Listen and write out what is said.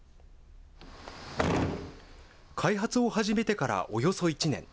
開発を始めてからおよそ１年。